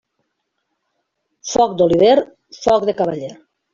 Foc d'oliver, foc de cavaller.